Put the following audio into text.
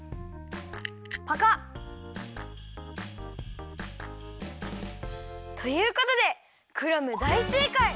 パカッ！ということでクラムだいせいかい！